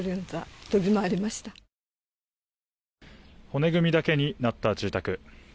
骨組みだけになった住宅。